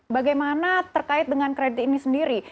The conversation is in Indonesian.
bagaimana terkait dengan kredit ini sendiri